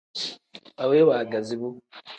Aweyi waagazi bu.